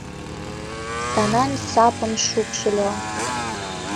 Станан сапым шупшыльо.